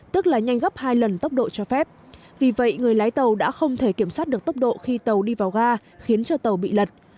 tức là nhanh gấp hai lần tốc độ cho phép vì vậy người lái tàu đã không thể kiểm soát được tốc độ khi tàu đi vào ga khiến cho tàu bị lật